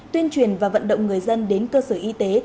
tuyên truyền và vận động người dân đến cơ sở y tế